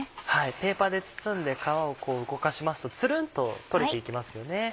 ペーパーで包んで皮を動かしますとつるんと取れていきますよね。